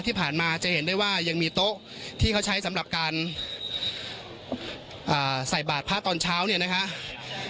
ที่ผ่านมาจะเห็นได้ว่ายังมีโต๊ะที่เขาใช้สำหรับการใส่บาทพระตอนเช้าเนี่ยนะครับ